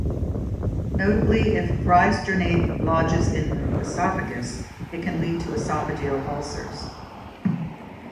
Notably, if risedronate lodges in the esophagus, it can lead to esophageal ulcers.